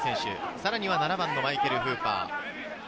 さらに７番のマイケル・フーパー。